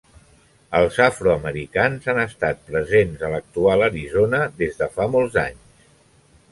Els afroamericans han estat presents a l'actual Arizona des de fa molts anys.